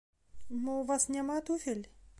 Мо ў вас няма туфель?